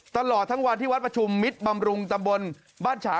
ตลอดทั้งวันที่วัดประชุมมิตรบำรุงตำบลบ้านฉา